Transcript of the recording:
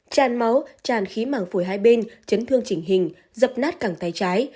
chàn máu chàn khí mảng phổi hai bên chấn thương chỉnh hình dập nát cẳng tay trái